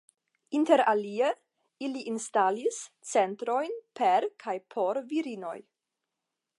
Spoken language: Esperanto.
Interalie ili instalis centrojn per kaj por virinoj.